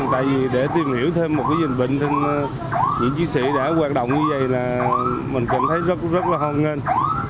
tại vì để tìm hiểu thêm một cái dịch bệnh thì những chiến sĩ đã hoạt động như vậy là mình cảm thấy rất là hoan nghênh